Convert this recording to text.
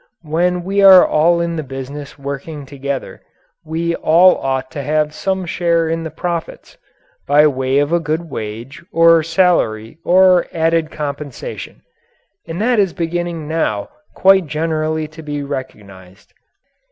When we are all in the business working together, we all ought to have some share in the profits by way of a good wage, or salary, or added compensation. And that is beginning now quite generally to be recognized.